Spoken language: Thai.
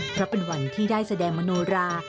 เพราะเป็นวันที่ได้แสดงมโนรา